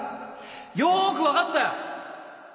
よく分かったよ